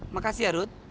makasih ya ruth